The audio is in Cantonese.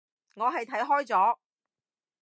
我係睇開咗